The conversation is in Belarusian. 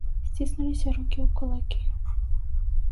Сціснуліся рукі ў кулакі.